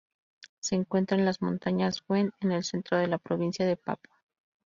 Se encuentra en las montañas Went en el centro de la provincia de Papua.